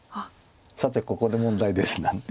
さてここで問題ですなんて。